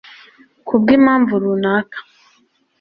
ku bwi mpamvu runaka